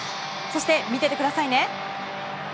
そして、見ていてくださいね。